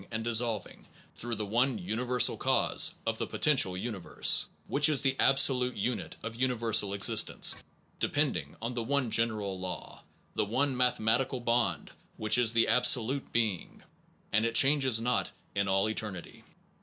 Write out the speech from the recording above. d dissolving through the one universal cause of the potential universe, which is the absolute unit of universal existence, depending on the one general law, the one math ematical bond, which is the absolute being, and it changes not in all eternity.